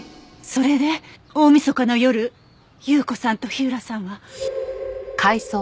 それで大みそかの夜有雨子さんと火浦さんは。